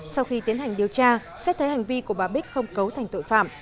sau khi tiến hành điều tra xét thấy hành vi của bà bích không cấu thành tội phạm